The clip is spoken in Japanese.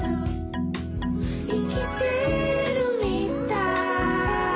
「いきてるみたい」